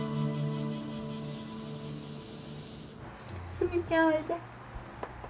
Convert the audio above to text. すみちゃんおいで。